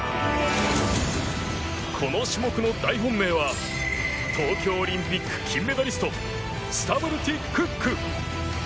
この種目の大本命は東京オリンピック金メダリストスタブルティ・クック。